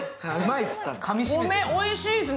米おいしいですね